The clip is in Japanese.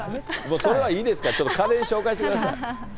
それはいいですから、家電紹介してください。